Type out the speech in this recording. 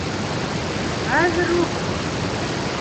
Хәҙер үк!